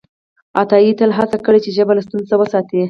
عطایي تل هڅه کړې چې ژبه له ستونزو وساتي.